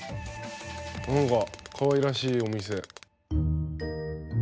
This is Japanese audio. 何かかわいらしいお店。